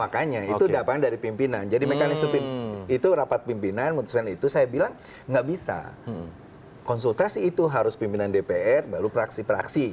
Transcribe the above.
makanya itu datang dari pimpinan jadi mekanisme itu rapat pimpinan putusan itu saya bilang nggak bisa konsultasi itu harus pimpinan dpr baru praksi praksi